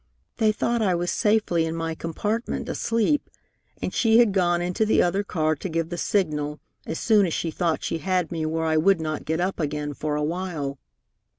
They thought I was safely in my compartment, asleep, and she had gone into the other car to give the signal as soon as she thought she had me where I would not get up again for a while.